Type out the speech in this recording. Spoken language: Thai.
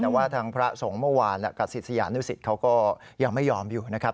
แต่ว่าทางพระสงฆ์เมื่อวานกับศิษยานุสิตเขาก็ยังไม่ยอมอยู่นะครับ